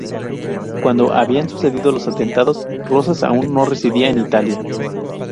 Cuando habían sucedido los atentados, Rosas aún no residía en Italia.